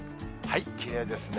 きれいですね。